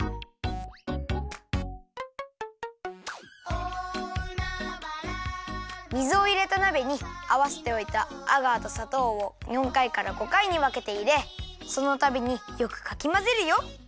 「大海原のそのさきの」水をいれたなべにあわせておいたアガーとさとうを４かいから５かいにわけていれそのたびによくかきまぜるよ。